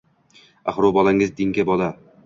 Axir u bolangiz tengi bola